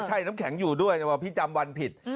ใช่น้ำแข็งอยู่ด้วยว่าพี่จำวันผิด